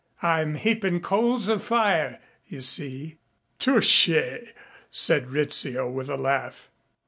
I'm heaping coals of fire, you see." "Touché!" said Rizzio, with a laugh.